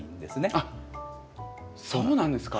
あっそうなんですか？